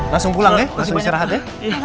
langsung pulang ya masih bisa rahat ya